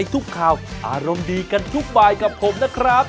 ทุกข่าวอารมณ์ดีกันทุกบายกับผมนะครับ